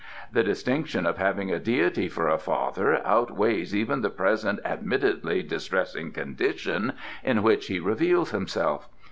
"The distinction of having a deity for a father outweighs even the present admittedly distressing condition in which he reveals himself.